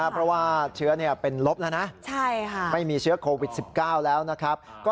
เพราะว่าเชื้อเป็นลบแล้วนะ